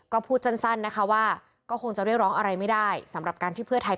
ก็พูดสั้นนะคะว่าก็คงจะเรียกร้องอะไรไม่ได้สำหรับการที่เพื่อไทย